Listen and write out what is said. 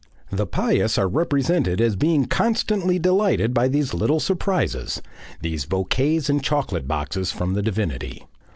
The pious are represented as being constantly delighted by these little surprises, these bouquets and chocolate boxes from the divinity.